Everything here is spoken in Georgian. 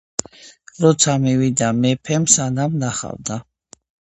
როცა მივიდა, მეფემ, სანამ ნახავდა,